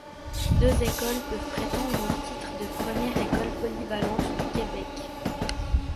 Deux écoles peuvent prétendre au titre de première école polyvalente du Québec.